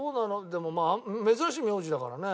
でもまあ珍しい名字だからね。